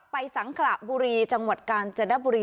ไปสังกระบูรีจังหวัดกาลเจ็ดระบูรี